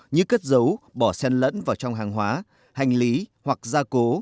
như cất dấu bỏ xen lẫn vào trong hàng hóa hành lý hoặc gia cố